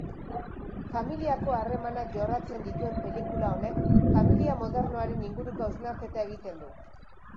Familiako harremanak jorratzen dituen pelikula honek familia modernoaren inguruko hausnarketa egiten du.